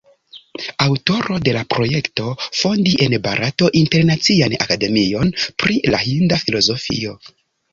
Aŭtoro de la projekto fondi en Barato Internacian Akademion pri la Hinda Filozofio.